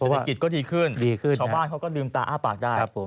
สถิตย์ก็ดีขึ้นชาวบ้านเขาก็ดึมตาอ้าบปากได้